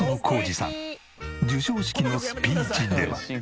授賞式のスピーチでは。